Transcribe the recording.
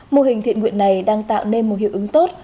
mô hình thiện nguyện này đang tạo nên một hiệu ứng tốt